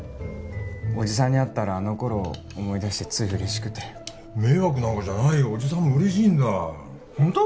おじさんに会ったらあの頃思い出してつい嬉しくて迷惑なんかじゃないよおじさんも嬉しいんだホント？